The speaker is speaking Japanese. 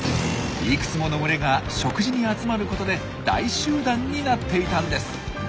いくつもの群れが食事に集まることで大集団になっていたんです。